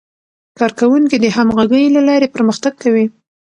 کارکوونکي د همغږۍ له لارې پرمختګ کوي